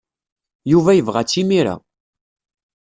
Yuba yebɣa-tt imir-a.